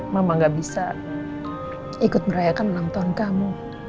mama gak bisa ikut merayakan ulang tahun kamu